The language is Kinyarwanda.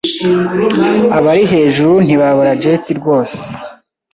Abari hejuru ntibabura jetty rwose